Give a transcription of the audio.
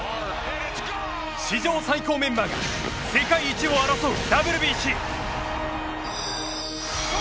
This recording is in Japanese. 史上最高メンバーが世界一を争うＷＢＣ。